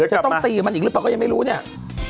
จะต้องตีกับมันอีกหรือเปล่าก็ยังไม่รู้เนี่ย